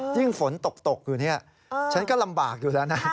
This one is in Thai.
ฝนตกอยู่เนี่ยฉันก็ลำบากอยู่แล้วนะ